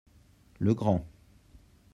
Le grand.